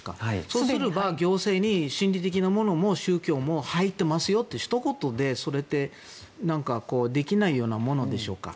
そうすれば行政に心理的なものも宗教も入っていますよというひと言でできないようなものでしょうか。